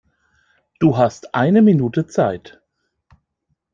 Du hast eine Minute Zeit.